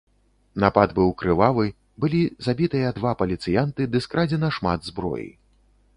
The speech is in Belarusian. Напад быў крывавы, былі забітыя два паліцыянты ды скрадзена шмат зброі.